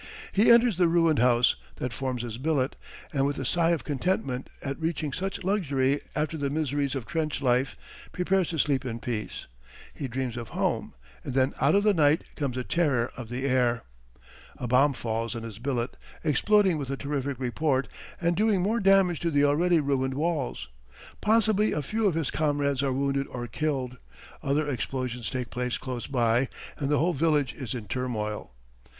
He enters the ruined house, that forms his billet, and with a sigh of contentment at reaching such luxury after the miseries of trench life prepares to sleep in peace. He dreams of home, and then out of the night comes the terror of the air. A bomb falls in his billet, exploding with a terrific report and doing more damage to the already ruined walls. Possibly a few of his comrades are wounded or killed. Other explosions take place close by and the whole village is in turmoil.